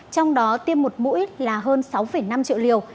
trong đó tiêm một mũi là hơn sáu năm triệu liều